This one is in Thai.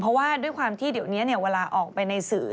เพราะว่าด้วยความที่เดี๋ยวนี้เวลาออกไปในสื่อ